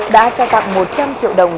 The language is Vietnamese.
đã trao tặng một trăm linh triệu đồng